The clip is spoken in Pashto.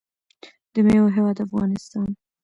د میوو هیواد افغانستان.